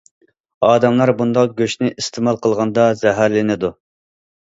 ئادەملەر بۇنداق گۆشنى ئىستېمال قىلغاندا زەھەرلىنىدۇ.